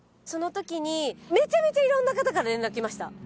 そのときにめちゃめちゃいろんな方から連絡来ました。